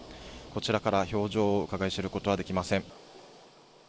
こちらから表情をうかがい知ることはできません。